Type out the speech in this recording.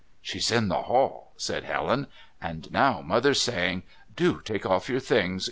"She's in the hall," said Helen, "and now Mother's saying: 'Do take off your things.